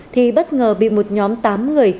thì bất ngờ bị một nhóm tám người